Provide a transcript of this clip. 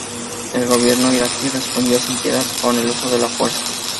El gobierno iraquí respondió, sin piedad, con el uso de la fuerza.